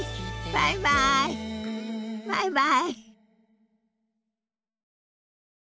バイバイバイバイ。